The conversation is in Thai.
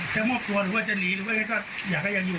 จะมอบตัวหรือว่าจะหนีอยากให้อยู่